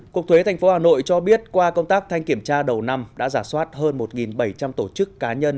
cục thuế tp hà nội cho biết qua công tác thanh kiểm tra đầu năm đã giả soát hơn một bảy trăm linh tổ chức cá nhân